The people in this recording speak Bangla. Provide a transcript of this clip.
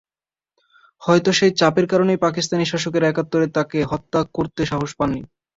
হয়তো সেই চাপের কারণেই পাকিস্তানি শাসকেরা একাত্তরে তাঁকে হত্যা করতে সাহস পাননি।